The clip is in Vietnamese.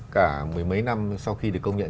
cả mười mấy năm sau khi được công nhận